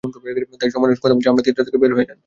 তাই সম্মানের সাথে বলছি, আমার থিয়েটার থেকে বের হয়ে যান।